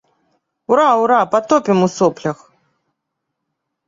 Ура, ура, патопім у соплях.